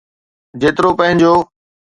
جيترو پنهنجو.